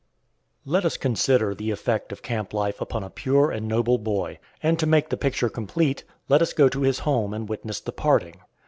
Let us consider the effect of camp life upon a pure and noble boy; and to make the picture complete, let us go to his home and witness the parting.